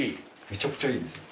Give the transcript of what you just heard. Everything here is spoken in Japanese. めちゃくちゃいいです。